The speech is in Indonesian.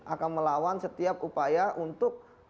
akan melawan setiap upaya untuk